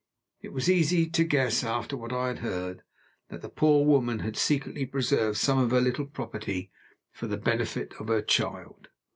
It was easy to guess, after what I had heard, that the poor woman had secretly preserved some of her little property for the benefit of her child.